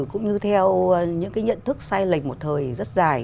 cũng như theo những cái nhận thức sai lệch một thời rất dài